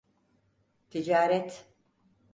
Ticaret.